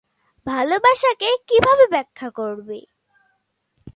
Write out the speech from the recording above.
ভালবাসাকে কিভাবে ব্যাখ্যা করবি?